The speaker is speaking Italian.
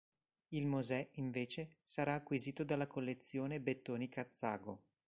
Il "Mosè", invece, sarà acquisito dalla Collezione Bettoni-Cazzago.